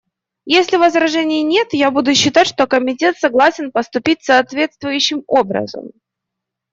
Если возражений нет, я буду считать, что Комитет согласен поступить соответствующим образом.